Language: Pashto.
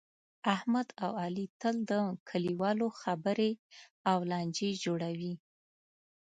احمد اوعلي تل د کلیوالو خبرې او لانجې جوړوي.